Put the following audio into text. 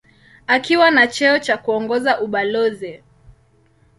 Akiwa na cheo cha kuongoza ubalozi.